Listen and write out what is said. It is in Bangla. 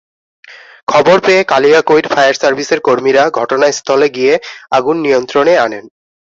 খবর পেয়ে কালিয়াকৈর ফায়ার সার্ভিসের কর্মীরা ঘটনাস্থলে গিয়ে আগুন নিয়ন্ত্রণে আনেন।